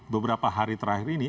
beberapa hari terakhir ini